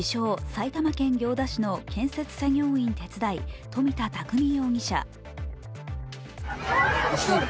・埼玉県行田市の建設作業員手伝い、富田匠容疑者。